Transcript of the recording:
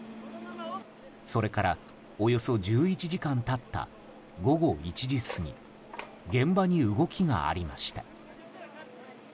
それから、およそ１１時間経った午後１時過ぎ現場に動きがありました。